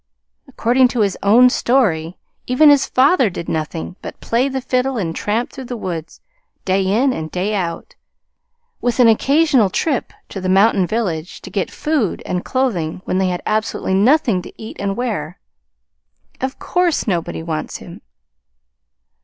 "According to his own story, even his father did nothing but play the fiddle and tramp through the woods day in and day out, with an occasional trip to the mountain village to get food and clothing when they had absolutely nothing to eat and wear. Of course nobody wants him!"